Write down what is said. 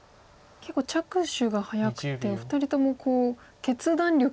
結構着手が早くて２人とも決断力が。